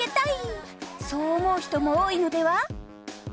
そう思う人も多いのでは？